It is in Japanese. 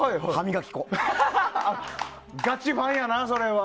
ガチファンやな、それは。